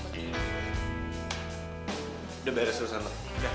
udah beres susanna